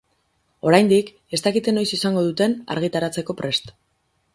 Oraindik ez dakite noiz izango duten argitaratzeko prest.